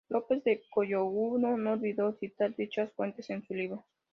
López de Cogolludo no olvidó citar dichas fuentes en su libro.